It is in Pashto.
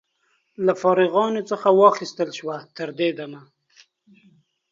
له فارغانو څخه واخیستل شوه. تر دې دمه